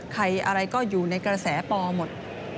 ใครอะไรก็อยู่ในกระแสปอหมด